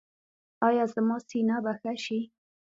ایا زما سینه به ښه شي؟